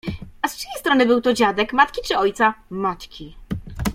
”— Az czyjej strony był to dziadek: matki czy ojca? — Matki.